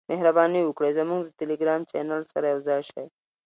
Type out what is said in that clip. مهرباني وکړئ زموږ د ټیلیګرام چینل سره یوځای شئ .